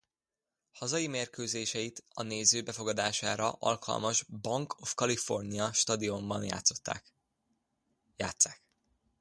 Hazai mérkőzéseit a néző befogadására alkalmas Banc of California Stadionban játsszák.